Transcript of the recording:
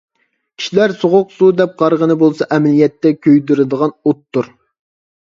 كىشىلەر سوغۇق سۇ دەپ قارىغىنى بولسا ئەمەلىيەتتە كۆيدۈرىدىغان ئوتتۇر.